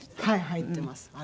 はい入ってます。